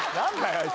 あいつ。